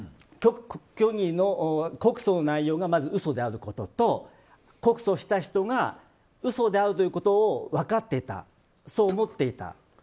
虚偽の告訴の内容がまず嘘であることと告訴した人が嘘であるということを分かっていた、そう思っていた。